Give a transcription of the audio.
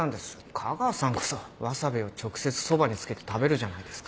架川さんこそわさびを直接そばにつけて食べるじゃないですか。